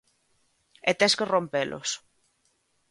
E tes que rompelos.